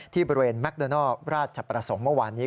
ที่บริเวณแมคโดนัลราชประสงค์เมื่อวานนี้